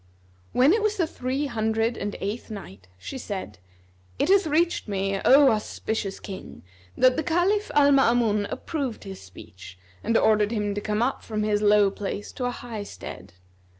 When it was the Three Hundred and Eighth Night, She said, It hath reached me, O auspicious King, that the Caliph Al Maamun approved his speech and ordered him to come up from his low place to a high stead.